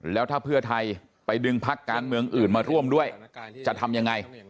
แล้วถ้าเพื่อไทยไปดึงพักการเมืองอื่นมาร่วมด้วยจะทำยังไง